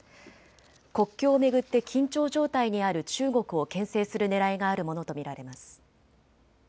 国境を巡って緊張状態にある中国をけん制するねらいがあるものと見られます。